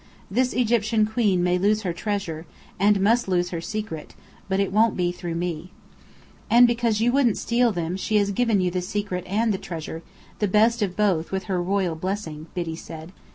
This Egyptian queen may lose her treasure, and must lose her secret; but it won't be through me." "And because you wouldn't steal them, she has given you the secret and the treasure, the best of both, with her royal blessing," Biddy said.